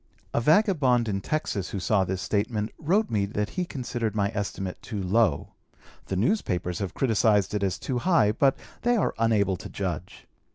A vagabond in Texas who saw this statement wrote me that he considered my estimate too low. The newspapers have criticised it as too high, but they are unable to judge.